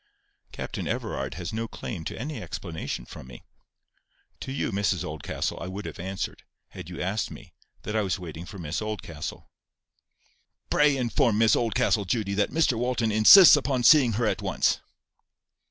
"Captain Everard has no claim to any explanation from me. To you, Mrs Oldcastle, I would have answered, had you asked me, that I was waiting for Miss Oldcastle." "Pray inform Miss Oldcastle, Judy, that Mr Walton insists upon seeing her at once."